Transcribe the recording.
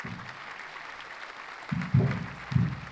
Vimelea vya ugonjwa wa ndigana kali